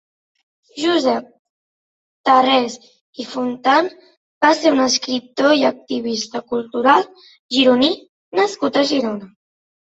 Josep Tarrés i Fontan va ser un escriptor i activista cultural gironí nascut a Girona.